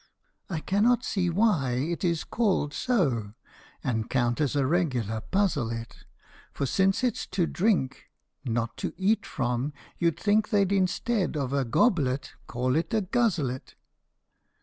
[I cannot see why It is called so, and count as a regular puzzle it ; For since it 's to drink, Not to eat from, you'd think They 'd, instead of a " gobble it," call it a " guzzle it."